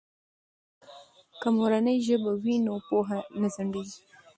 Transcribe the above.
که مورنۍ ژبه وي نو پوهه نه ځنډیږي.